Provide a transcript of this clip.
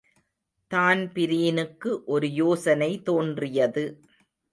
தான்பிரீனுக்கு ஒரு யோசனை தோன்றியது.